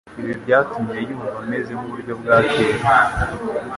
Ibi byatumye yumva ameze nkuburyo bwa kera.